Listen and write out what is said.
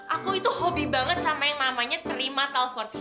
aku itu hobi banget sama yang namanya terima telepon